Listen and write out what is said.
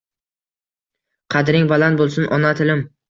“Qadring baland bo‘lsin, ona tilim”